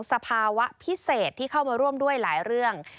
สภาวะพิเศษที่เข้ามาร่วมด้วยหลายเรื่อง